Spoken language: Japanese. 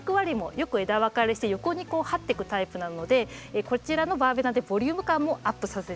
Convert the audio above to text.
よく枝分かれして横にこう這っていくタイプなのでこちらのバーベナでボリューム感もアップさせちゃうという形で合わせて。